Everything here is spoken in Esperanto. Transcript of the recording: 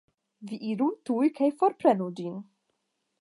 Vi iru tuj kaj forprenu ĝin.